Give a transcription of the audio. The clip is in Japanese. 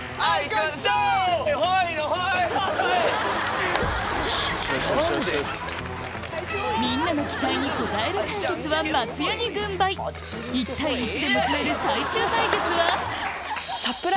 何で⁉みんなの期待に応える対決は松也に軍配１対１で迎える最終対決は？